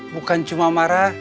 bukan cuma marah